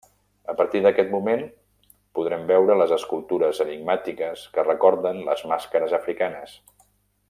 A partir d'aquest moment podrem veure les escultures enigmàtiques que recorden les màscares africanes.